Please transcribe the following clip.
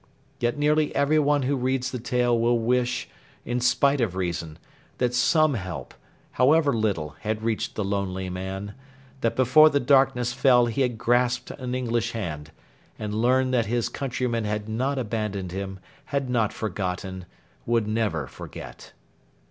Yet nearly everyone who reads the tale will wish in spite of reason that some help, however little, had reached the lonely man; that before the darkness fell he had grasped an English hand, and learned that his countrymen had not abandoned him, had not forgotten would never forget.